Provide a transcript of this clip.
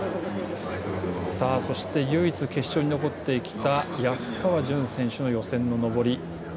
そして、唯一決勝に残ってきた安川潤選手の予選の登り。